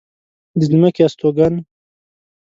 د ځمکې استوگن